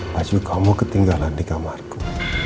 pasti kamu ketinggalan di kamarku